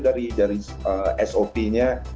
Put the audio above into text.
bagaimana anda dalam proses syutingnya ini bron